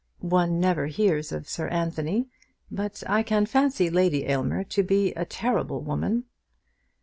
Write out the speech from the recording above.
One never hears of Sir Anthony, but I can fancy Lady Aylmer to be a terrible woman."